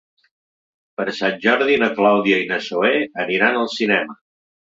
Per Sant Jordi na Clàudia i na Zoè aniran al cinema.